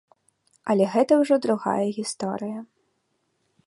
Але гэта ўжо другая гісторыя.